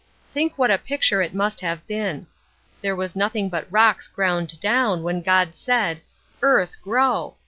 Think what a picture it must have been! There was nothing but rocks ground down when God said, 'Earth, grow!'